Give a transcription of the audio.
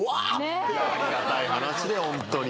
ありがたい話でホントに。